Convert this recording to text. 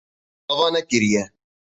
Te ava nekiriye.